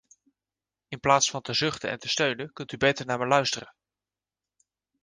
In plaats van te zuchten en te steunen, kunt u beter naar me luisteren.